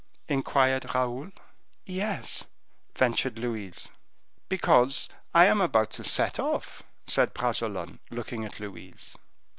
inquired Raoul. "Yes!" ventured Louise. "Because I am about to set off," said Bragelonne, looking at Louise.